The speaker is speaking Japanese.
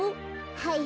はい。